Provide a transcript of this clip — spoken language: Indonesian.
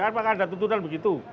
apakah ada tentuan begitu